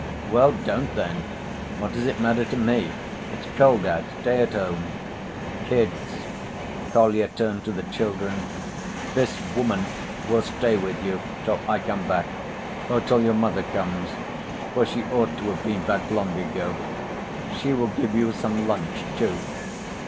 "Well, don't then. What does it matter to me? It's cold out; stay at home." "Kids," Kolya turned to the children, "this woman will stay with you till I come back or till your mother comes, for she ought to have been back long ago. She will give you some lunch, too.